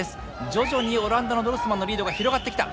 徐々にオランダのドルスマンのリードが広がってきた。